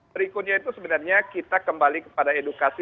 berikutnya itu sebenarnya kita kembali kepada edukasi